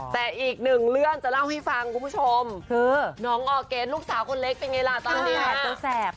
แต่อีกหนึ่งเรื่องจะเล่าให้ฟังคุณผู้ชมน้องออกเป็นลูกสาวคนเล็กเป็นเจ็บ